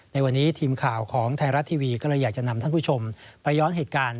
ในวันนี้ทีมข่าวของไทยรัฐทีวีก็เลยอยากจะนำท่านผู้ชมไปย้อนเหตุการณ์